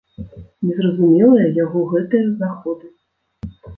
Незразумелыя яго гэтыя заходы.